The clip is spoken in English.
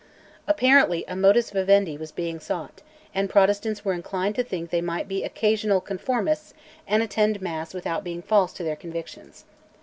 Apparently a modus vivendi was being sought, and Protestants were inclined to think that they might be "occasional conformists" and attend Mass without being false to their convictions.